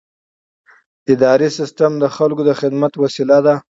اداري سیستم د خلکو د خدمت وسیله ده.